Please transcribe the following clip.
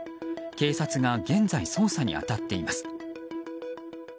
警察が現在捜査に当たっています。